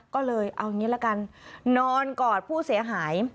ก็เลยเอางี้ละกันนอนกอดผู้เสียหาย